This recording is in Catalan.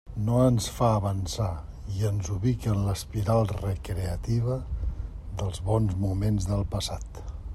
No ens fa avançar i ens ubica en l'espiral recreativa dels bons moments del passat.